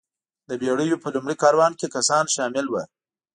د بېړیو په لومړي کاروان کې کسان شامل وو.